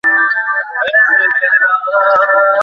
তিনি Orvy Jones ছদ্মনামে লিখতেন।